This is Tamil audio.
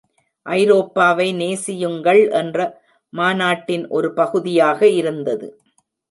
ஐரோப்பாவை நேசியுங்கள் என்ற மாநாட்டின் ஒரு பகுதியாக இருந்தது.